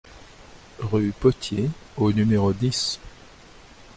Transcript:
Rue Potier au numéro dix